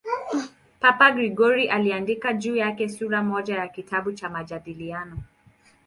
Papa Gregori I aliandika juu yake sura moja ya kitabu cha "Majadiliano".